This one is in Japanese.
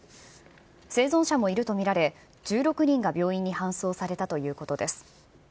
生存者もいると見られ、１６人が病院に搬送されたということです。